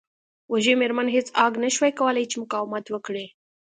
وږې میرمن هیج هاګ نشوای کولی چې مقاومت وکړي